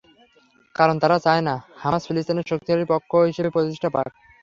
কারণ তারা চায় না, হামাস ফিলিস্তিনে শক্তিশালী পক্ষ হিসেবে প্রতিষ্ঠা পাক।